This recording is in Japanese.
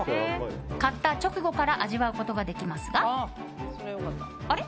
買った直後から味わうことができますがあれ？